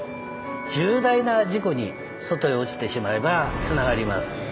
重大な事故に外へ落ちてしまえばつながります。